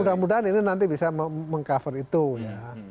mudah mudahan ini nanti bisa meng cover itu ya